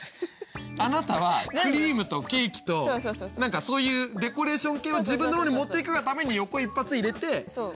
あなたはクリームとケーキと何かそういうデコレーション系は自分の方に持っていくがために横一発入れて。